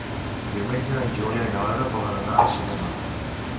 Diumenge en Julià i na Lara volen anar al cinema.